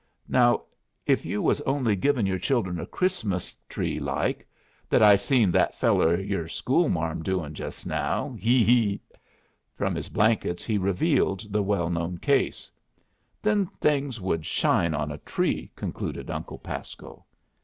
Now if you was only givin' your children a Christmas tree like that I seen that feller yer schoolmarm doin' just now hee hee!" From his blankets he revealed the well known case. "Them things would shine on a tree," concluded Uncle Pasco.